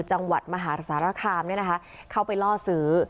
จังหวัดมหาสารคามเนี่ยนะคะเข้าไปล่อซื้อ